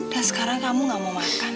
dan sekarang kamu tidak mau makan